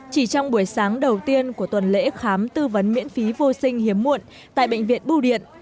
chỉ trong buổi sáng đầu tiên của tuần lễ khám tư vấn miễn phí vô sinh hiếm muộn tại bệnh viện bưu điện